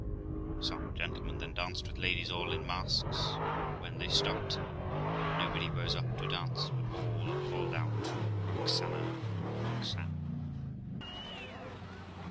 Some gentlemen then danced with ladies all in masks ; and, when they stopped, nobody rose up to dance, but all called out 'Roxana, Roxana!'.